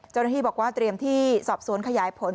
เจ้าหน้าที่บอกว่าเตรียมที่สอบสวนขยายผล